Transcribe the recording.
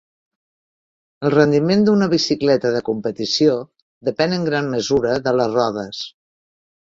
El rendiment d'una bicicleta de competició depèn en gran mesura de les rodes.